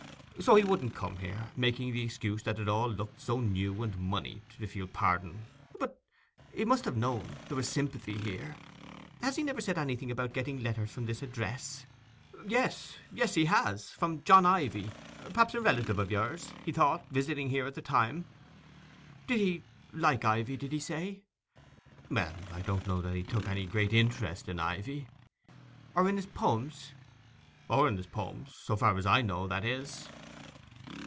So he wouldn't come here, making the excuse that it all looked so new and monied—if you'll pardon—' 'But—he must have known—there was sympathy here! Has he never said anything about getting letters from this address?' 'Yes, yes, he has, from John Ivy—perhaps a relative of yours, he thought, visiting here at the time?' 'Did he—like Ivy, did he say?' 'Well, I don't know that he took any great interest in Ivy.' 'Or in his poems?' 'Or in his poems—so far as I know, that is.